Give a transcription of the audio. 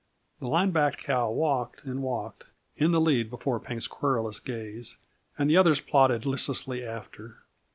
The line backed cow walked and walked in the lead before Pink's querulous gaze, and the others plodded listlessly after.